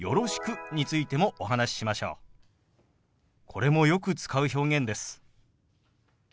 これもよく使う表現です。